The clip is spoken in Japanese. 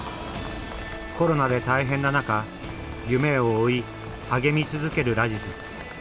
コロナで大変な中夢を追い励み続けるラジズ。